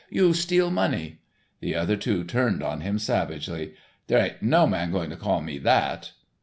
"You steal money." The other two turned on him savagely. "There aint no man going to call me that."